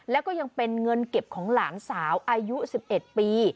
แล้วก็ยังเป็นเงินเก็บของหลานสาวอายุ๑๑ปี